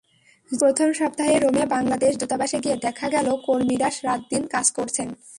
জুলাইয়ের প্রথম সপ্তাহে রোমে বাংলাদেশ দূতাবাসে গিয়ে দেখা গেল কর্মীরা রাত-দিন কাজ করছেন।